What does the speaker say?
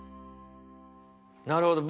なるほど。